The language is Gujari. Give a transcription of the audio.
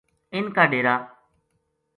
اِنھ کا ڈیرا